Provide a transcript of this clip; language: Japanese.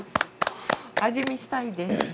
味見したいです。